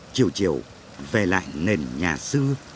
chiều chiều về lại nền nhà xưa